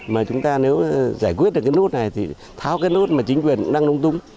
mà chúng ta nếu giải quyết được cái nốt này thì tháo cái nốt mà chính quyền cũng đang lúng túng